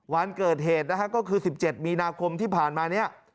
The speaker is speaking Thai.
วันเกิดเหตุนะฮะก็คือ๑๗มีนาคมที่ผ่านมาเนี่ย